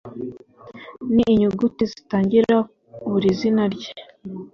ni inyuguti zitangira buri zina rye